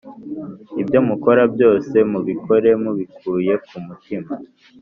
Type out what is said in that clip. Ibyo mukora byose mubikore mubikuye ku mutima